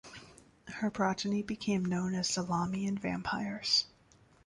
Her progeny became known as the Lahmian vampires.